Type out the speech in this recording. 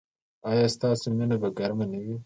ایا ستاسو مینه به ګرمه نه وي؟